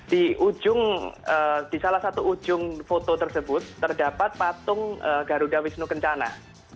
di ujung di salah satu ujung foto tersebut terdapat patung garuda wisnu kencana